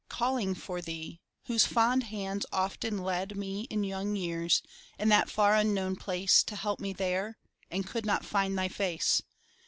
Calling for thee, whose fond hands often led Me in young years, in that far unknown place To help me there, and could not find thy face